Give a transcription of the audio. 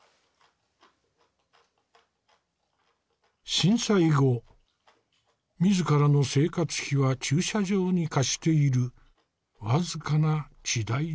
震災後自らの生活費は駐車場に貸している僅かな地代で賄っている。